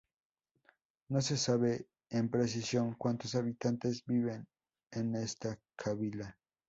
No se sabe en precision cuantos habitantes viven en esta cabila.